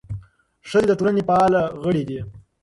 ښځې د ټولنې فعاله غړي دي.